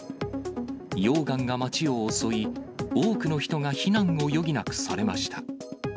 溶岩が街を襲い、多くの人が避難を余儀なくされました。